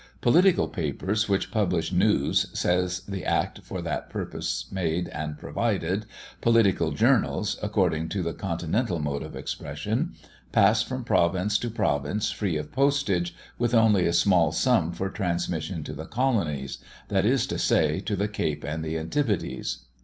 Political papers which publish "news," says the act for that purpose made and provided "political journals," according to the continental mode of expression pass from province to province free of postage, with only a small sum for transmission to the Colonies, that is to say, to the Cape and the Antipodes.